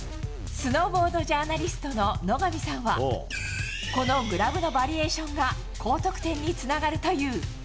スノーボードジャーナリストの野上さんはこのグラブのバリエーションが高得点につながるという。